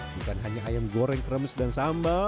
bukan hanya ayam goreng kremes dan sambal